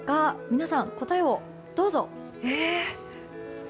皆さん、答えをどうぞ！